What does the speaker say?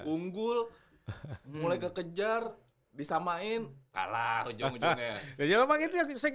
unggul mulai kekejar disamain kalah ujung ujungnya